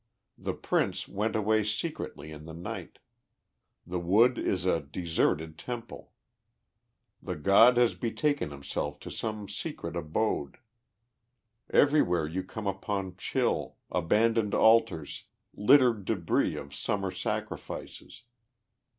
The prince went away secretly in the night. The wood is a deserted temple. The god has betaken himself to some secret abode. Everywhere you come upon chill, abandoned altars, littered debris of Summer sacrifices.